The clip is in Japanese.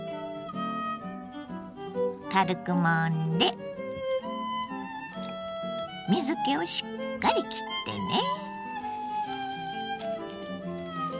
軽くもんで水けをしっかりきってね。